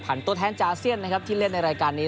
ตัวแทนจากอาเซียนนะครับที่เล่นในรายการนี้